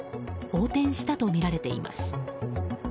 横転したとみられています。